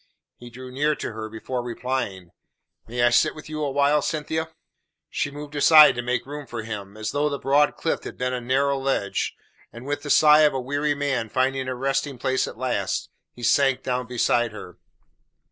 He drew near to her before replying. "May I sit with you awhile, Cynthia?" She moved aside to make room for him, as though the broad cliff had been a narrow ledge, and with the sigh of a weary man finding a resting place at last, he sank down beside her.